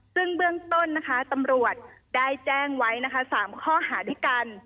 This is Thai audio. ซึ่งเบื้องต้นนะคะตำรวจได้แจ้งไว้นะคะ๓ข้อหาด้วยกัน